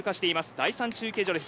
第３中継所です。